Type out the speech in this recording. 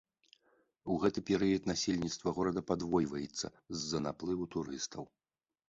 У гэты перыяд насельніцтва горада падвойваецца з-за наплыву турыстаў.